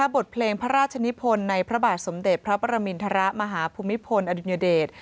บทเพลงพระราชนิพลในพระบาทสมเด็จพระประมินทรมาฮภูมิพลอดุญเดช